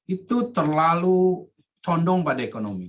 itu terlalu condong pada ekonomi